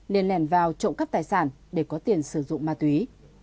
nên lèn vào trộm cắp tài sản để có tiền sử dụng ma túy